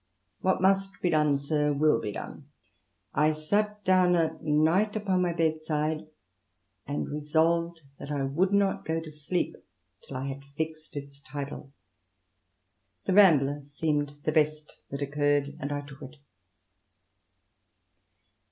What must be done, sir, will be done. I sat down at night upon my bedside, and resolved that I would not go to sleep till I had fixed its title. The Rambler seemed the best that occurred, and I took it."